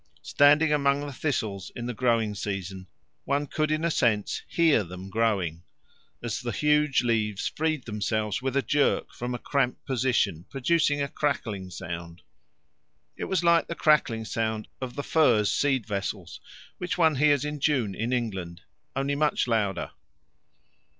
Standing among the thistles in the growing season one could in a sense hear them growing, as the huge leaves freed themselves with a jerk from a cramped position, producing a crackling sound. It was like the crackling sound of the furze seed vessels which one hears in June in England, only much louder.